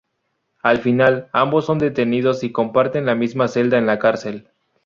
Al final, ambos son detenidos y comparten la misma celda en la cárcel.